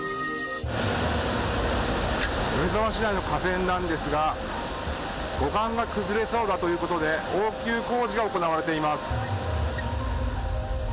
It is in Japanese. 米沢市内の河川なんですが護岸が崩れそうだということで応急工事が行われています。